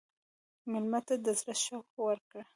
مېلمه ته د زړه شوق ورکړه.